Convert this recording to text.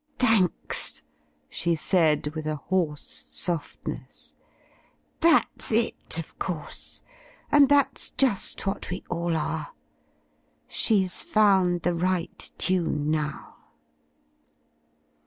"Thanks —" she said, with a hoarse softness, "that's it, of course! and that's just what we all are! She's found the right tune now."